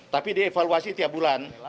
tapi dievaluasi tiap bulan